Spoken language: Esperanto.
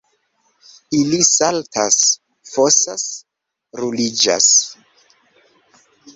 Ili saltas, fosas, ruliĝas.